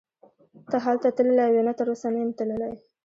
ته هلته تللی وې؟ نه تراوسه نه یم تللی.